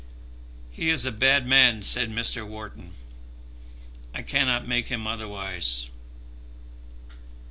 "He is a bad man," said Mr. Wharton. "I cannot make him otherwise."